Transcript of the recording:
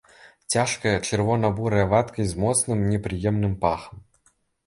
Цяжкая чырвона-бурая вадкасць з моцным непрыемным пахам.